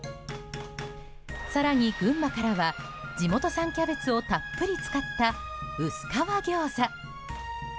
更に群馬からは地元産キャベツをたっぷり使った薄皮餃子。